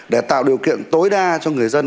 để tạo điều kiện tối đa cho người dân